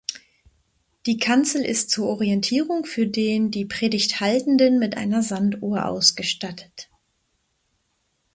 Die Kanzel ist zur Orientierung für den die Predigt Haltenden mit einer Sanduhr ausgestattet.